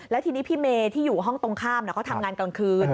แล้วทีนี้พี่เมย์ที่อยู่ห้องตรงข้ามเขาทำงานกลางคืน